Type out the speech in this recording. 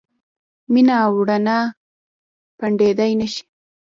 مینه او رڼا پټېدای نه شي.